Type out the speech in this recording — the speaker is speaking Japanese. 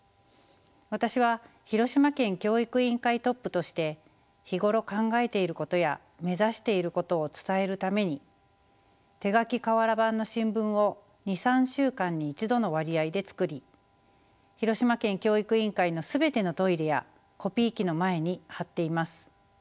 私は広島県教育委員会トップとして日頃考えていることや目指していることを伝えるために手書き瓦版の新聞を２３週間に１度の割合で作り広島県教育委員会の全てのトイレやコピー機の前に貼っています。